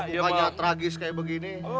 mukanya tragis kayak begini